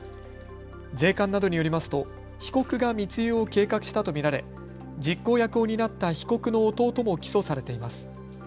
税関などによりますと被告が密輸を計画したと見られ実行役を担った被告の弟も起訴されています。